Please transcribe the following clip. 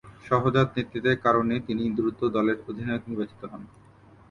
সহজাত নেতৃত্বের কারণে তিনি দ্রুত দলের অধিনায়ক নির্বাচিত হন।